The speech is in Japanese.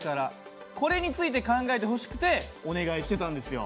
これについて考えてほしくてお願いしてたんですよ。